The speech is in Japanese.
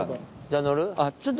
じゃあ乗る？